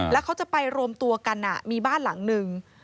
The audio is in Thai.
แล้วเขาจะไปรวมตัวกันมีบ้านหลังหนึ่ง